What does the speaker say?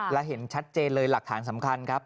และเห็นชัดเจนเลยหลักฐานสำคัญครับ